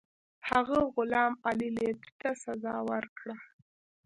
هغه غلام علي لیتي ته سزا ورکړه.